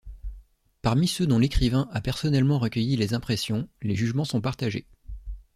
Parmi ceux dont l'écrivain a personnellement recueilli les impressions, les jugements sont partagés.